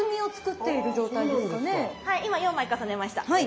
はい今４枚重ねました。